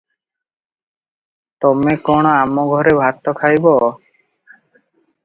ତମେ କଣ ଆମଘରେ ଭାତ ଖାଇବ?